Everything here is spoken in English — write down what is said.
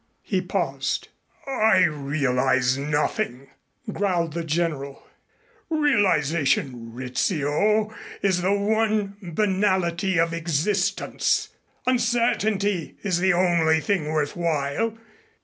He paused. "I realize nothing," growled the General. "Realization, Rizzio, is the one banality of existence! Uncertainty is the only thing worth while.